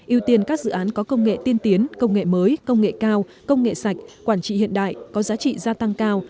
ưu tiên các dự án có công nghệ tiên tiến công nghệ mới công nghệ cao công nghệ sạch quản trị hiện đại có giá trị gia tăng cao